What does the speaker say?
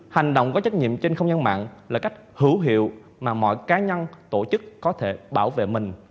hành động có trách nhiệm trên không gian mạng là cách hữu hiệu mà mọi cá nhân tổ chức có thể bảo vệ mình